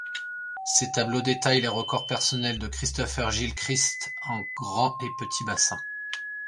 Ces tableaux détaillent les records personnels de Kristopher Gilchrist en grand et petit bassin.